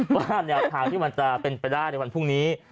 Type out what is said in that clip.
ว่าแนวทางที่มันจะเป็นไปได้ในวันพรุ่งนี้